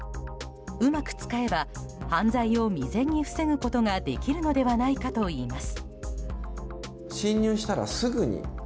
うまく使えば犯罪を未然に防ぐことができるのではないかといいます。